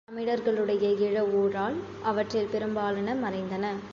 தமிழர்களுடைய இழவூழால் அவற்றில் பெரும்பாலன மறைந்தன.